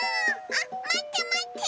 あっまってまって！